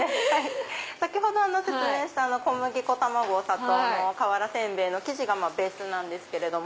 先ほど説明した小麦粉卵お砂糖の瓦煎餅の生地がベースなんですけれども。